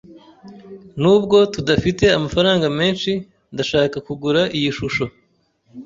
Nubwo tudafite amafaranga menshi, ndashaka kugura iyi shusho.